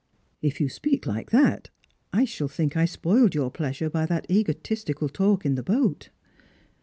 " If you speak like that, I shall think I spoiled your pleasure by that egotistical talk in the boat."